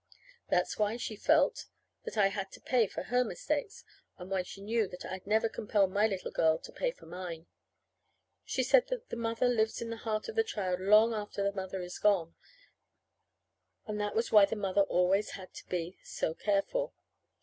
That's why she felt that I had had to pay for her mistakes, and why she knew that I'd never compel my little girl to pay for mine. She said that the mother lives in the heart of the child long after the mother is gone, and that was why the mother always had to be so careful.